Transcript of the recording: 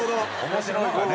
面白いかね。